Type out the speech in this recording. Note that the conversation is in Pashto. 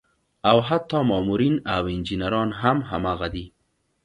او حتا مامورين او انجينران هم هماغه دي